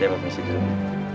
terima kasih sekali